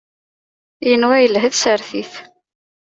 Yenwa yelha tsertit.